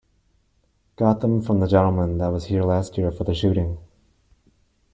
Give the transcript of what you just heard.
Got them from the gentleman that was here last year for the shooting.